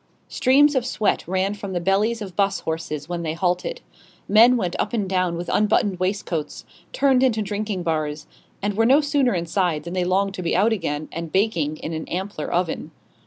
Streams of sweat ran from the bellies of 'bus horses when they halted. Men went up and down with unbuttoned waistcoats, turned into drinking bars, and were no sooner inside than they longed to be out again, and baking in an ampler oven.